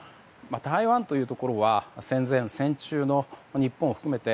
台湾というところは戦前、戦中の日本を含めて